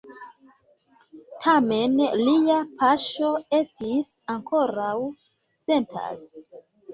Tamen, lia paŝo estis ankoraŭ sentas.